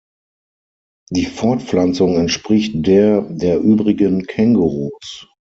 Die Fortpflanzung entspricht der der übrigen Kängurus.